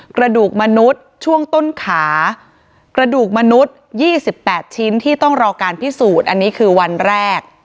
กระดูกมนุษย์ช่วงต้นขากระดูกมนุษย์๒๘ชิ้นที่ต้องรอการพิสูจน์อันนี้คือวันแรก